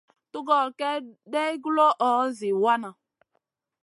Tugor ka day guloʼo zi wana.